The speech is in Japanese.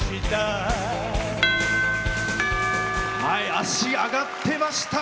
足、上がってました。